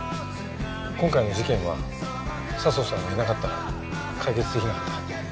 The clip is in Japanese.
今回の事件は佐相さんがいなかったら解決できなかった。